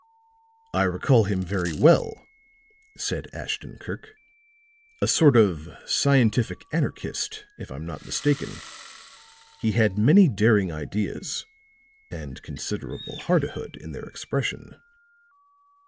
"I recall him very well," said Ashton Kirk. "A sort of scientific anarchist, if I'm not mistaken; he had many daring ideas and considerable hardihood in their expression."